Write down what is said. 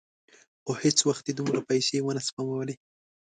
خو هېڅ وخت یې دومره پیسې ونه سپمولې.